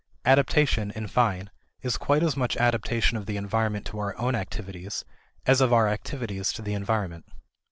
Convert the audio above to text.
Adaptation, in fine, is quite as much adaptation of the environment to our own activities as of our activities to the environment.